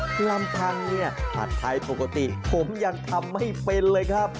กลางทางผัดไทยปกติผมยังทำไม่เป็นเลยครับ